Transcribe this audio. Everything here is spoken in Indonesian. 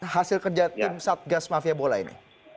hasil kerja tim satgas mafia bola ini